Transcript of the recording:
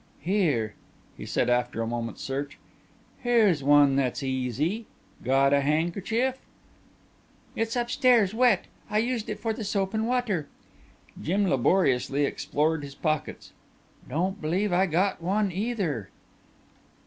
"Here," he said after a moment's search. "Here's one that's easy. Got a handkerchief?" "It's up stairs wet. I used it for the soap and water." Jim laboriously explored his pockets. "Don't believe I got one either."